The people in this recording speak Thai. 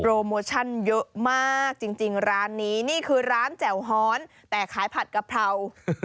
โมชั่นเยอะมากจริงร้านนี้นี่คือร้านแจ่วฮอนแต่ขายผัดกะเพรา